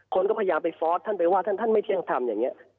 คนก็พยายามไปฟอสท์ท่านไปว่าท่านไม่เที่ยงทำ